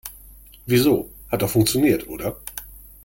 Wieso, hat doch funktioniert, oder?